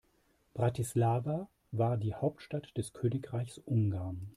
Bratislava war die Hauptstadt des Königreichs Ungarn.